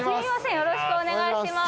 よろしくお願いします。